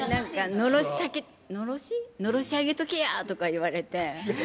のろし上げとけや！とか言われて。